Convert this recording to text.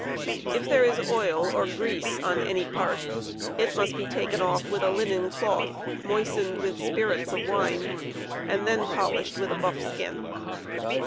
< If there is oil or grease on any part it most be taken off with a linen cloth, moistened with spirits of wine, and then polished with a buff skin.